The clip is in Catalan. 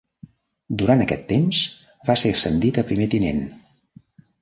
Durant aquest temps va ser ascendit a primer tinent.